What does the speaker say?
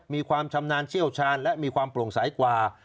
มีความชำนาญเชี่ยวชาญและมีความโปร่งใสกว่า